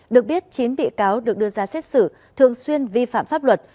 được biết chín bị cáo được đưa ra xét xử thường xuyên vi phạm pháp luật